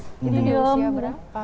itu dia berapa